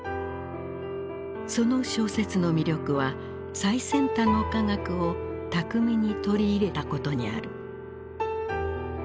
その小説の魅力は最先端の科学を巧みに取り入れたことにある。